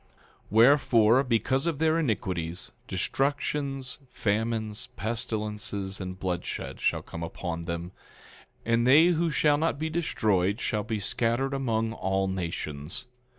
10:6 Wherefore, because of their iniquities, destructions, famines, pestilences, and bloodshed shall come upon them; and they who shall not be destroyed shall be scattered among all nations.